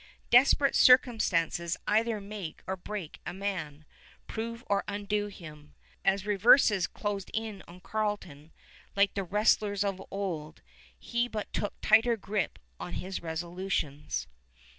Desperate circumstances either make or break a man, prove or undo him. As reverses closed in on Carleton, like the wrestlers of old he but took tighter grip of his resolutions.